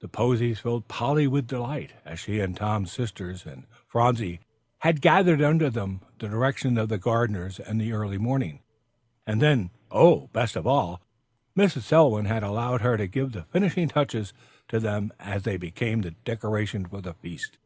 The posies filled Polly with delight, as she and Tom's sisters and Phronsie had gathered them under the direction of the gardeners in the early morning; and then oh, best of all Mrs. Selwyn had allowed her to give the finishing touches to them as they became the decoration for the feast.